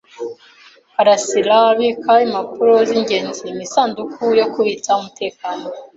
Karasiraabika impapuro zingenzi mu isanduku yo kubitsa umutekano.